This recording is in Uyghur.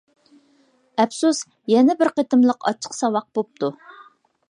ئەپسۇس، يەنە بىر قېتىملىق ئاچچىق ساۋاق بوپتۇ.